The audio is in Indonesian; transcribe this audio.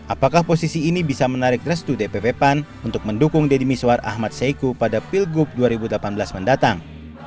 apakah posisi ini bisa menarik restu dpp pan untuk mendukung deddy miswar ahmad saiku pada pilgub dua ribu delapan belas mendatang